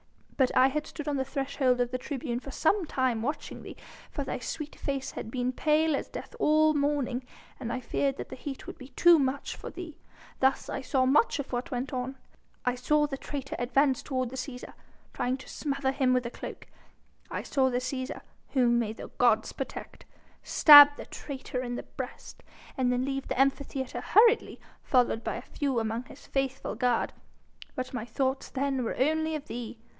But I had stood on the threshold of the tribune for some time watching thee, for thy sweet face had been pale as death all the morning, and I feared that the heat would be too much for thee. Thus I saw much of what went on. I saw the traitor advance toward the Cæsar, trying to smother him with a cloak. I saw the Cæsar whom may the gods protect stab the traitor in the breast, and then leave the Amphitheatre hurriedly, followed by a few among his faithful guard. But my thoughts then were only of thee.